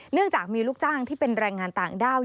เนื่องจากมีลูกจ้างที่เป็นแรงงานต่างด้าว